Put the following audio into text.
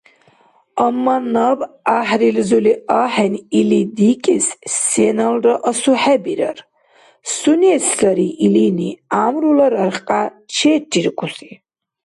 Амма наб гӀяхӀрилзули ахӀен или дикӀес сеналра асухӀебирар, сунес сари илини гӀямрула рархкья черриркӀуси.